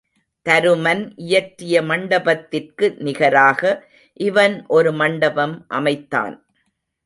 தருமன் இயற்றிய மண்டபத்திற்கு நிகராக இவன் ஒரு மண்டபம் அமைத்தான்.